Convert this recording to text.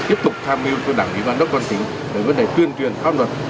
tiếp tục tham mưu cho đảng ủy ban đốc văn tính về vấn đề tuyên truyền khoan luật